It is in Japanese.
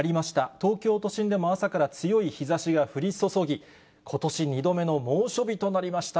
東京都心でも朝から強い日ざしが降り注ぎ、ことし２度目の猛暑日となりました。